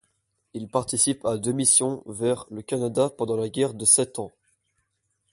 Il participe à deux missions vers le Canada pendant la guerre de Sept Ans.